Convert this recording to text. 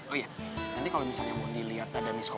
oke saatnya adriana